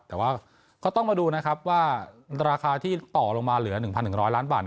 แต่ว่าก็ต้องมาดูนะครับว่าราคาที่ต่อลงมาเหลือ๑๑๐๐ล้านบาท